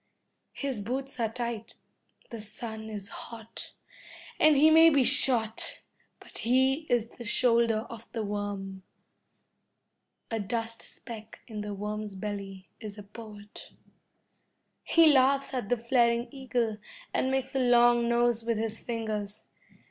His boots are tight, the sun is hot, and he may be shot, but he is in the shoulder of the worm. A dust speck in the worm's belly is a poet. He laughs at the flaring eagle and makes a long nose with his fingers.